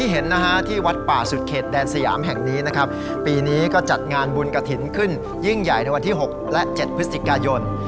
ให้งานบุญกะถินขึ้นยิ่งใหญ่ในวันที่๖และ๗พฤศจิกายน